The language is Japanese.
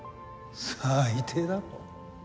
最低だろ。